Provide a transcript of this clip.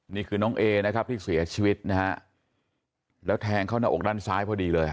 นี่คือน้องเอนะครับที่เสียชีวิตนะฮะแล้วแทงเข้าหน้าอกด้านซ้ายพอดีเลย